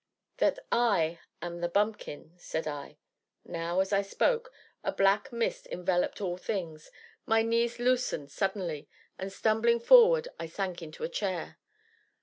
"That I am the Bumpkin!" said I. Now, as I spoke, a black mist enveloped all things, my knees loosened suddenly, and stumbling forward, I sank into a chair.